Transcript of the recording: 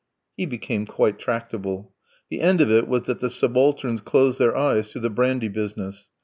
he became quite tractable. The end of it was that the subalterns closed their eyes to the brandy business.